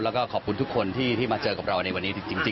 แล้วก็ขอบคุณทุกคนที่มาเจอกับเราในวันนี้จริง